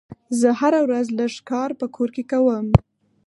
زه هره ورځ لږ کار په کور کې کوم.